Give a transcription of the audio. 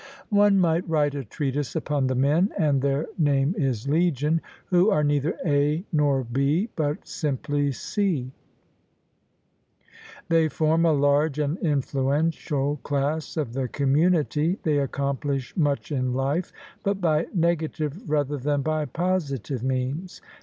One might write a treatise upon the men — ^and their name is Legion — ^who are neither A. nor B., but simply C. They form a large and influential class of the community. They accomplish much in life: but by negative rather than by positive means.